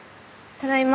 ただいま。